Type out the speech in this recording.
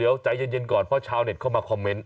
เดี๋ยวใจเย็นก่อนเพราะชาวเน็ตเข้ามาคอมเมนต์